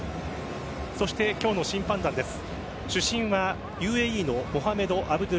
そして今日の審判団です。